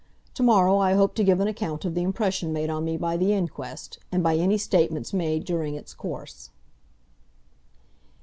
To morrow I hope to give an account of the impression made on me by the inquest, and by any statements made during its course."